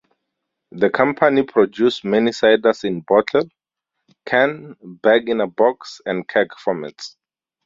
The company produce many ciders in bottle, can, bag in box and keg formats.